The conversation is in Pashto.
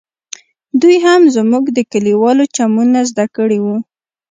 دوى هم زموږ د کليوالو چمونه زده کړي وو.